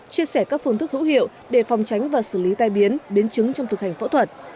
chia sẻ các phương thức hữu hiệu để phòng tránh và xử lý tai biến biến chứng trong thực hành phẫu thuật